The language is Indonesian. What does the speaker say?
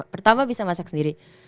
pertama bisa masak sendiri